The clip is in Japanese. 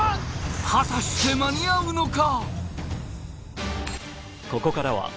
果たして間に合うのか？